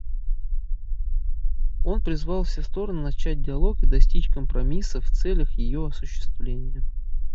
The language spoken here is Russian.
Он призвал все стороны начать диалог и достичь компромисса в целях ее осуществления.